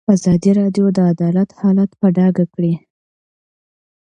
ازادي راډیو د عدالت حالت په ډاګه کړی.